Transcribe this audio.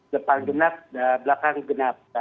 depan genap belakang genap